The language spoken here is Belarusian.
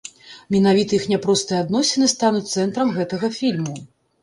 Менавіта іх няпростыя адносіны стануць цэнтрам гэтага фільму.